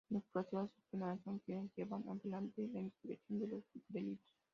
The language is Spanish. En los procesos penales, son quienes llevan adelante la investigación de los delitos.